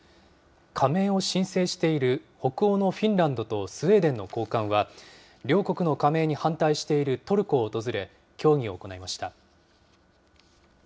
加盟を申請している北欧のフィンランドとスウェーデンの高官は、両国の加盟に反対しているトルコを訪れ、協議を行いました。